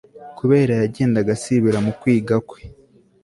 kubera yagendaga asibira mu kwiga kwe